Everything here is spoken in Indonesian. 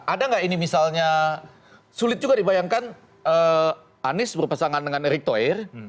ada nggak ini misalnya sulit juga dibayangkan anies berpesangan dengan erik thoir